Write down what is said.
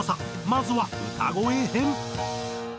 まずは歌声編。